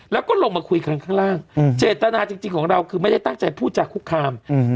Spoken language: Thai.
แล้วก็ลงมาคุยกันข้างล่างเจตนาจริงของเราคือไม่ได้ตั้งใจพูดจากคุกคาม